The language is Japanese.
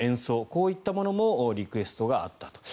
こういったものもリクエストがあったと。